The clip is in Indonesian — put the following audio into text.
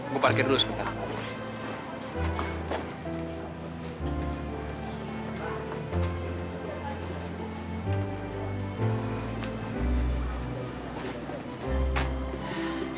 gue parkir dulu sebentar